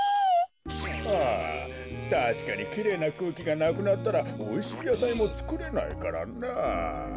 ああたしかにきれいなくうきがなくなったらおいしいやさいもつくれないからなあ。